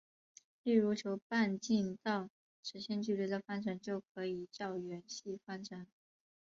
例如求半径到直线距离的方程就可以叫圆系方程。